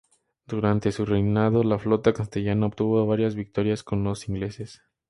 Durante su reinado, la flota castellana obtuvo varias victorias contra los ingleses.